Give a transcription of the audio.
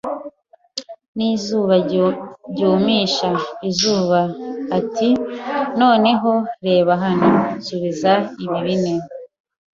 n'izuba ryumisha izuba. ” Ati: “Noneho, reba hano, nzasubiza ibi bine;